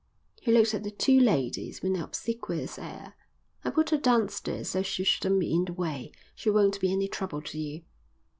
He looked at the two ladies with an obsequious air. "I put her downstairs so she shouldn't be in the way. She won't be any trouble to you."